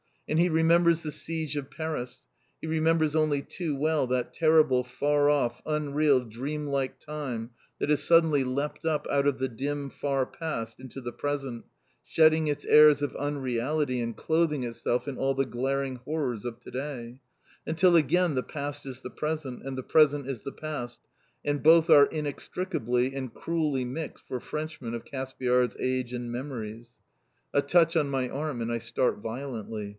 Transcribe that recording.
And he remembers the siege of Paris, he remembers only too well that terrible, far off, unreal, dreamlike time that has suddenly leapt up out of the dim, far past into the present, shedding its airs of unreality, and clothing itself in all the glaring horrors of to day, until again the Past is the Present, and the Present is the Past, and both are inextricably and cruelly mixed for Frenchmen of Caspiar's age and memories. A touch on my arm and I start violently.